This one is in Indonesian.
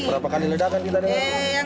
berapa kali ledakan kita